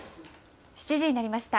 ７時になりました。